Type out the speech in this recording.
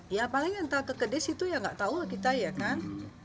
ya paling yang tak kekedis itu ya nggak tahu kita ya kan